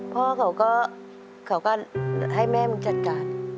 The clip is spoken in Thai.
พ่อเขาก็ให้แม่มึงจัดการ